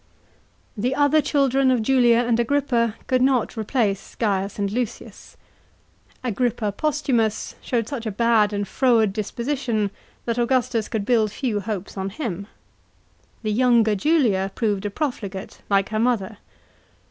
The other children of Julia and Agrippa could not replace Baius 54 THE FAMILY OF AUGUSTUS. CHAP, iv and Lucius. Agrippa Postutnus showed such a bad and froward disposition that Augustus could build few hopes on him. The younger Julia proved a profligate, like her mother.